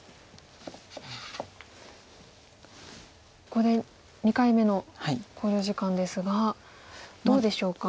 ここで２回目の考慮時間ですがどうでしょうか。